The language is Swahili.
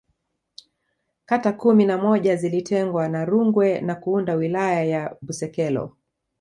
kata kumi na moja zilitengwa na Rungwe na kuunda Wilaya ya Busekelo